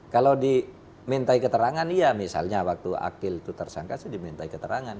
kalau dimintai keterangan ya misalnya waktu akil itu tersangka saya dimintai keterangan